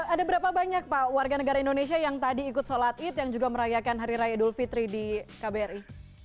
ada berapa banyak pak warga negara indonesia yang tadi ikut sholat id yang juga merayakan hari raya idul fitri di kbri